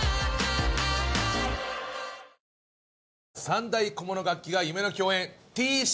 三大小物楽器が夢の共演！